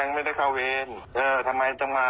นู้นเป็นอะไรเขา